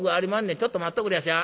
ちょっと待っとくれやしゃ。